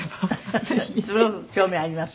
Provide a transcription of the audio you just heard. すごく興味あります。